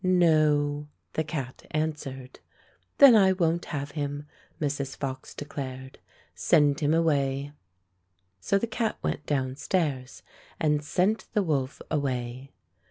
"No," the cat answered. "Then I won't have him," Mrs. Fox de clared. "Send him away." So the cat went downstairs and sent the wolf away.